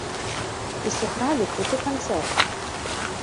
І сыгралі круты канцэрт!